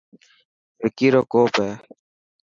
وڪي رو ڪوپ هي.